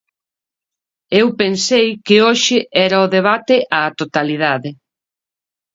Eu pensei que hoxe era o debate á totalidade.